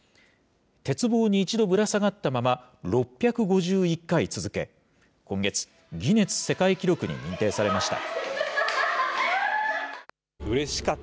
鉄棒に一度ぶら下がったまま、６５１回続け、今月、ギネス世界記録に認定されました。